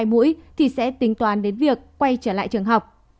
mũi thì sẽ tính toán đến việc quay trở lại trường học